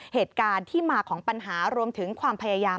เหตุการณ์ที่มาของปัญหารวมถึงความพยายาม